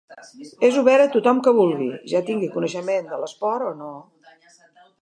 És obert a tothom que vulgui, ja tingui coneixement de l'esport o no.